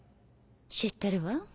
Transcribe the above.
知ってるわ。